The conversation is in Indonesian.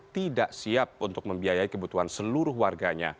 tidak siap untuk membiayai kebutuhan seluruh warganya